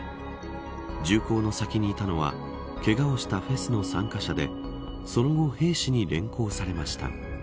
銃口の先にいたのはけがをしたフェスの参加者でその後、兵士に連行されました。